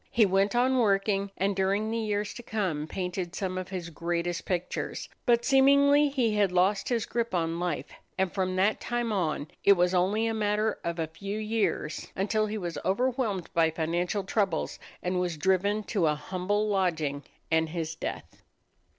He went on working, and during the years to come painted some of his greatest pictures; but seemingly he had lost his grip on life, and from that time on it was only a matter of a few years until he was overwhelmed by financial troubles and was driven to a humble lodging and his death.